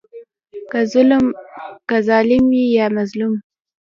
که ظالم وي یا مظلوم.